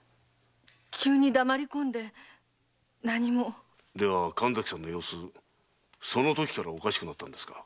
急に黙り込んで何も。では神崎さんの様子そのときからおかしくなったんですか？